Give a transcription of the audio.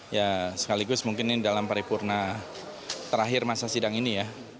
ya sekaligus mungkin ini dalam paripurna terakhir masa sidang ini ya